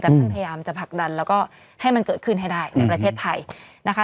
แต่ท่านพยายามจะผลักดันแล้วก็ให้มันเกิดขึ้นให้ได้ในประเทศไทยนะคะ